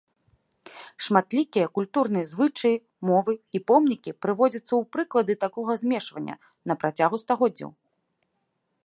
Шматлікія культурныя звычаі, мовы і помнікі прыводзяцца ў прыклады такога змешвання на працягу стагоддзяў.